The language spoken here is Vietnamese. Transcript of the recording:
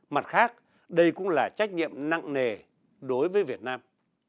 mặt khác đây cũng là trách nhiệm nặng nề đối với việt nam